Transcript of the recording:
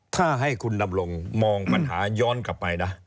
ถ้าให้คุณดำรงมองปัญหาย้อนกลับไปนะ